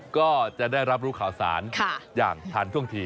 ก็จะได้รับรู้ข่าวสารอย่างทันท่วงที